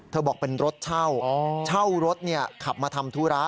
บอกเป็นรถเช่าเช่ารถขับมาทำธุระ